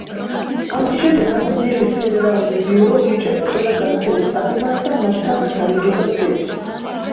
ამის შემდეგ გამოძიების ფედერალური ბიურო იჭერს ყველა გაქცეულ პატიმარს და მათთან გარიგებას დებს.